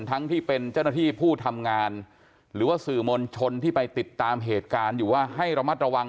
ทั้งที่เป็นเจ้าหน้าที่ผู้ทำงานหรือว่าสื่อมวลชนที่ไปติดตามเหตุการณ์อยู่ว่าให้ระมัดระวัง